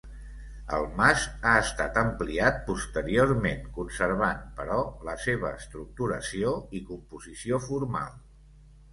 El mas ha estat ampliat posteriorment conservant, però, la seva estructuració i composició formal.